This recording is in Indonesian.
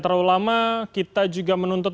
terlalu lama kita juga menuntut